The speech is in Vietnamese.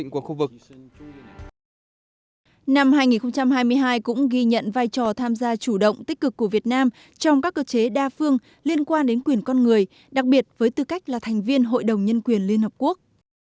năm hai nghìn hai mươi hai cũng ghi nhận vai trò tham gia chủ động tích cực của việt nam trong các cơ chế đa phương liên quan đến quyền con người đặc biệt với tư cách là thành viên hội đồng nhân quyền liên hợp quốc